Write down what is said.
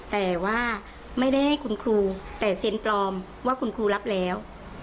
แต่ว่าไม่ได้ให้คุณครูแต่เซ็นปลอมว่าคุณครูรับแล้ว